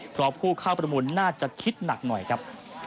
เพราะผู้เข้าประมูลน่าจะคิดหนักหน่อยครับ